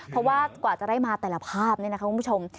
เพราะว่ากว่าจะได้มาแต่ละภาพนี่นะคะคุณผู้ชม